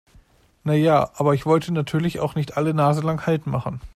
Na ja, aber ich wollte natürlich auch nicht alle naselang Halt machen.